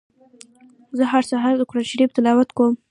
زه هر سهار د قرآن شريف تلاوت کوم.